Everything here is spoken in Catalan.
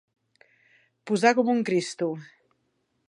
Posar com un Cristo.